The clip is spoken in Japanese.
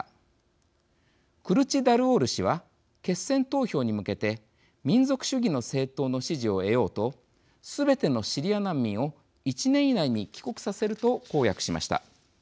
クルチダルオール氏は決選投票に向けて民族主義の政党の支持を得ようとすべてのシリア難民を１年以内に帰国させると公約しました。